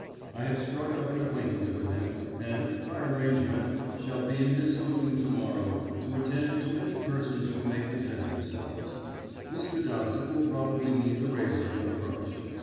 I have struck up an acquaintance with him, and, by arrangement, shall be in his saloon to morrow, to attend to any persons who may present themselves. Mr. Dowsett will probably need the razor and the brush.